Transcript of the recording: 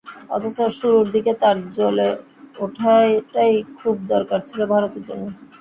অথচ শুরুর দিকে তাঁর জ্বলে ওঠাটাই খুব দরকার ছিল ভারতের জন্য।